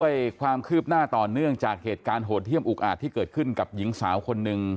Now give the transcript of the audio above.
ความคืบหน้าต่อเนื่องจากเหตุการณ์โหดเยี่ยมอุกอาจที่เกิดขึ้นกับหญิงสาวคนหนึ่ง